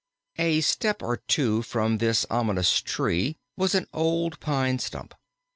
A step or two from this ominous tree was an old pine stump.